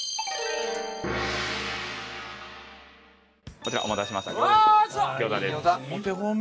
こちらお待たせしました餃子です。